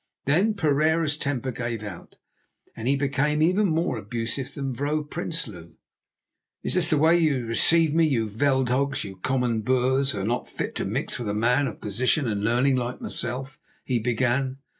Then Pereira's temper gave out, and he became even more abusive than Vrouw Prinsloo. "Is this the way you receive me, you veld hogs, you common Boers, who are not fit to mix with a man of position and learning like myself?" he began.